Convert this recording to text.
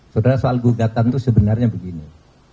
saudara soal gugatan itu sebenarnya begini